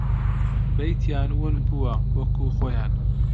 بەیتیان ون بووە وەکوو خۆیان